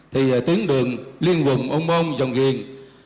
thì tiến đường liên vùng ôn môn dòng ghiền